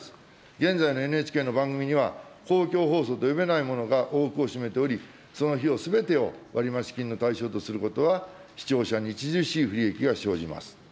現在のＮＨＫの番組には、公共放送と呼べないものが多くを占めており、その費用すべてを割増金の対象とすることは視聴者に著しい不利益が生じます。